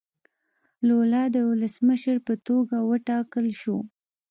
لولا د ولسمشر په توګه وټاکل شو.